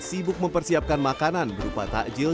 sibuk mempersiapkan makanan berupa takjil